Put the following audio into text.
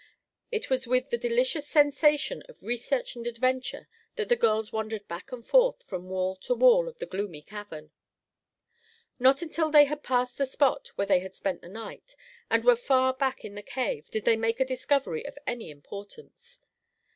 It was with the delicious sensation of research and adventure that the girls wandered back and forth from wall to wall of the gloomy cavern. Not until they had passed the spot where they had spent the night, and were far back in the cave, did they make a discovery of any importance.